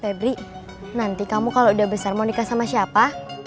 febri nanti kamu kalau udah besar mau nikah sama siapa